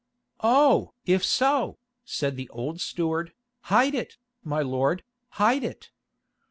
"Oh! if so," said the old steward, "hide it, my lord, hide it.